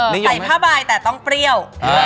ใส่ผ้าใบแต่ต้องเปรี้ยว